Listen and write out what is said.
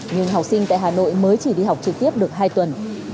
nhưng học sinh tại hà nội mới chỉ đi học trực tiếp được hai tuần